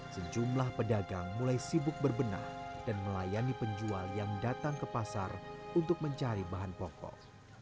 sejumlah pedagang mulai sibuk berbenah dan melayani penjual yang datang ke pasar untuk mencari bahan pokok